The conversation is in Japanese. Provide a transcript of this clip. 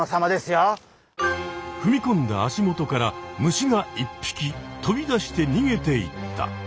ふみこんだ足元から虫が１匹とび出して逃げていった。